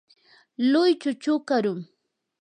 luychu chukarum.